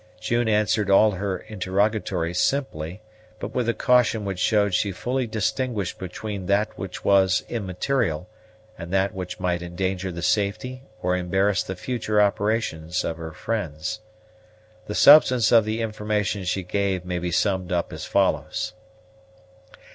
June answered all her interrogatories simply, but with a caution which showed she fully distinguished between that which was immaterial and that which might endanger the safety or embarrass the future operations of her friends. The substance of the information she gave may be summed up as follows.